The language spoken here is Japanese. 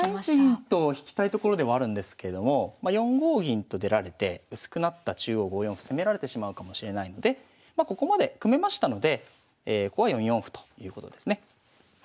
３一銀と引きたいところではあるんですけれどもまあ４五銀と出られて薄くなった中央５四歩攻められてしまうかもしれないのでまあここまで組めましたのでここは４四歩ということですね。